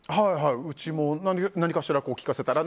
うちも、何かしら聴かせたら。